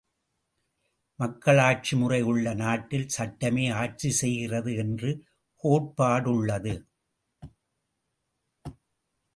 மக்களாட்சிமுறை உள்ள நாட்டில் சட்டமே ஆட்சி செய்கிறது என்ற கோட்பாடுள்ளது.